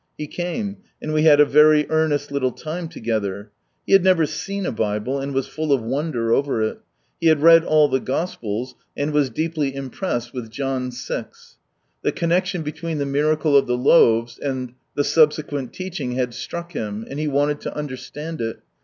He came, and we had a very earnest little time together. He had never seen a Bible, and was full of wonder over it. He had read all the Gospels, and was deeply impressed with John vi. The connection between the miracle of the loaves and the subsequent teaching had struck him, and he wanted to understand it.